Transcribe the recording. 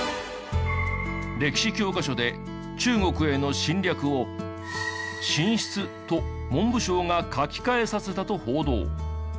歴史教科書で中国への侵略を「進出」と文部省が書き換えさせたと報道。